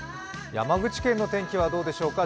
山口県の天気はどうでしようか。